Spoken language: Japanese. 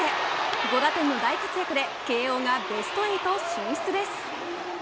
５打点の大活躍で慶応がベスト８進出です。